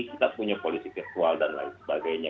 kita punya polisi virtual dan lain sebagainya